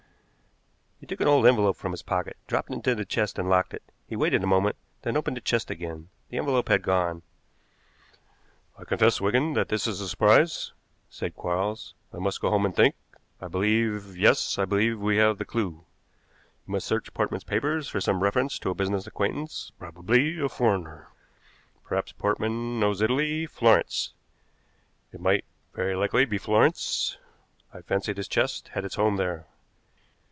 He took an old envelope from his pocket, dropped it into the chest, and locked it. He waited a moment, then opened the chest again. The envelope had gone. "I confess, Wigan, that this is a surprise," said Quarles. "I must go home and think. I believe yes, I believe we have the clew. You must search Portman's papers for some reference to a business acquaintance, probably a foreigner. Perhaps Portman knows Italy Florence. It might very likely be Florence. I fancy this chest had its home there.